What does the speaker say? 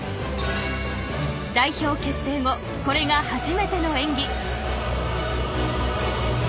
代表決定後これが初めての演技。